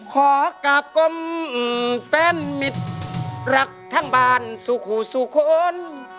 ขอกราบกลมแฟนมิตรรักทั้งบ้านสู่คู่สู่คน